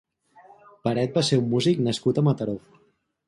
Peret va ser un músic nascut a Mataró.